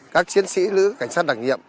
các chiến sĩ nữ cảnh sát đặc nhiệm